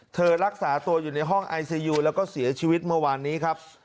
รักษาตัวอยู่ในห้องไอซียูแล้วก็เสียชีวิตเมื่อวานนี้ครับ